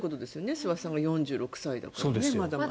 諏訪さんが４６歳だからね。